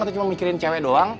atau cuma mikirin cewek doang